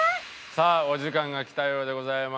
さあお時間がきたようでございます。